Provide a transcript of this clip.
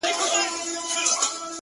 • را په زړه مي خپل سبق د مثنوي سي ,